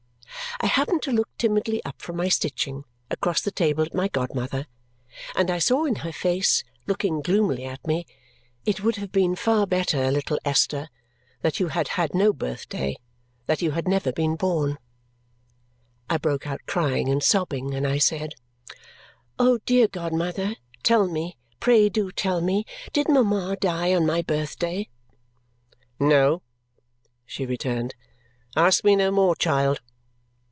I happened to look timidly up from my stitching, across the table at my godmother, and I saw in her face, looking gloomily at me, "It would have been far better, little Esther, that you had had no birthday, that you had never been born!" I broke out crying and sobbing, and I said, "Oh, dear godmother, tell me, pray do tell me, did Mama die on my birthday?" "No," she returned. "Ask me no more, child!"